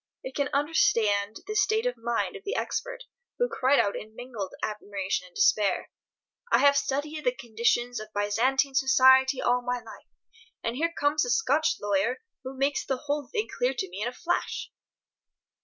I can understand the state of mind of the expert, who cried out in mingled admiration and despair: "I have studied the conditions of Byzantine Society all my life, and here comes a Scotch lawyer who makes the whole thing clear to me in a flash!"